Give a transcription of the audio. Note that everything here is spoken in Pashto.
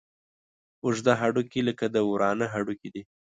اوږده هډوکي لکه د ورانه هډوکي دي.